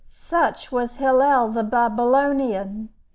Such was Hillel the Babylonian!